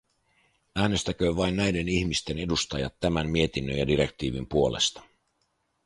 Äänestäköön vain näiden ihmisten edustajat tämän mietinnön ja direktiivin puolesta!